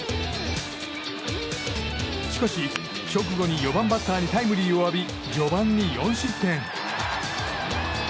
しかし、直後に４番バッターにタイムリーを浴び４番に４失点。